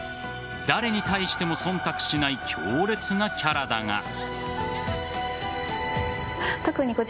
誰に対しても忖度しない強烈なキャラだが。